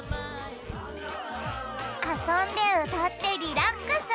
あそんでうたってリラックス！